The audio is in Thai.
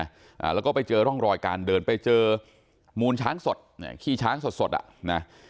อ่าแล้วก็ไปเจอร่องรอยการเดินไปเจอมูลช้างสดเนี่ยขี้ช้างสดสดอ่ะนะ